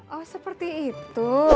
oh seperti itu